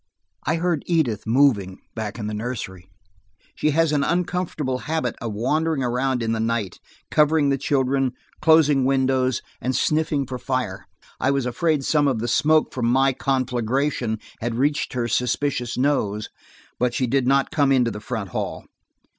I heard Edith moving back in the nursery: she has an uncomfortable habit of wandering around in the night, covering the children, closing windows, and sniffing for fire. I was afraid some of the smoke from my conflagration had reached her suspicious nose, but she did not come into the front hall.